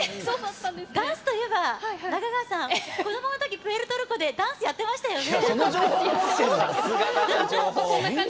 ダンスといえば、中川さん子どものときにプエルトリコでダンスをやってましたよね。